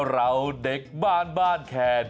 เราเด็กบ้านแค่เด็กเลี้ยง